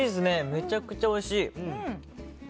めちゃくちゃおいしい！